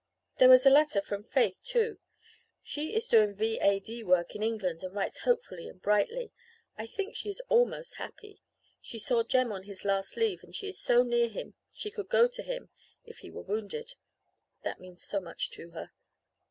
"There was a letter from Faith, too. She is doing V.A.D. work in England and writes hopefully and brightly. I think she is almost happy she saw Jem on his last leave and she is so near him she could go to him, if he were wounded. That means so much to her.